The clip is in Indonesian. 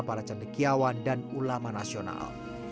para cendekiawan dan ulama nasional